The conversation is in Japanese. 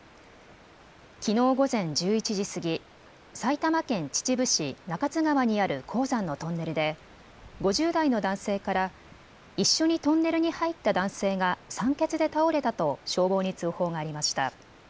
きのう午前１１時過ぎ、埼玉県秩父市中津川にある鉱山のトンネルで５０代の男性から一緒にトンネルに入った男性が酸欠で倒れたと消防に通報がありました。